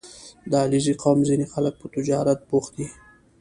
• د علیزي قوم ځینې خلک په تجارت بوخت دي.